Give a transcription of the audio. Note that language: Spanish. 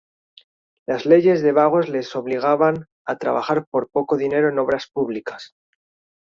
Las leyes de vagos les obligaban a trabajar por poco dinero en obras públicas.